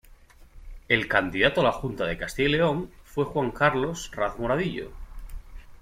El candidato a la Junta de Castilla y León fue Juan Carlos Rad Moradillo.